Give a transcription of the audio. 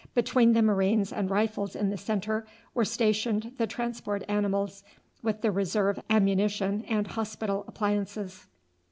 Between the Marines and Rifles in the centre were stationed the transport animals with the reserve ammunition and hospital appliances.